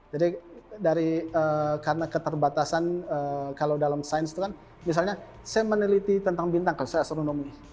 jadi karena keterbatasan kalau dalam sains itu kan misalnya saya meneliti tentang bintang kalau saya astronomi